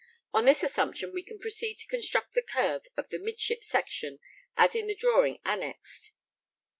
On this assumption we can proceed to construct the curve of the midship section as in the drawing annexed.